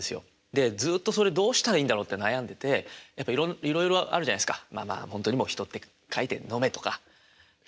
でずっとそれどうしたらいいんだろうって悩んでてやっぱいろいろあるじゃないですか「人」って書いて飲めとかねえ。